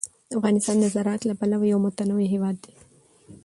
افغانستان د زراعت له پلوه یو متنوع هېواد دی.